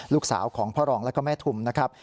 ลูกสาวของพ่อรองแล้วก็แม่ทุมนะครับ